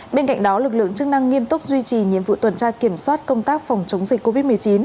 bên cạnh đó lực lượng chức năng nghiêm túc duy trì nhiệm vụ tuần tra kiểm soát công tác phòng chống dịch covid một mươi chín